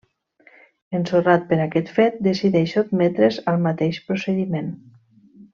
Ensorrat per aquest fet, decideix sotmetre's al mateix procediment.